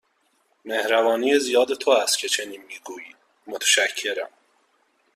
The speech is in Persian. مهربانی زیاد تو است که چنین می گویی، متشکرم.